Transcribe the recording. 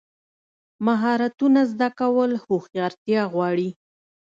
مهارتونه زده کول هوښیارتیا غواړي.